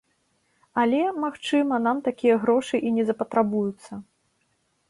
Але, магчыма, нам такія грошы і не запатрабуюцца.